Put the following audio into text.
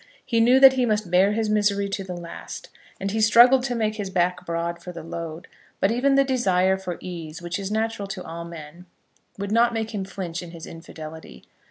He knew that he must bear his misery to the last, and he struggled to make his back broad for the load. But even the desire for ease, which is natural to all men, would not make him flinch in his infidelity.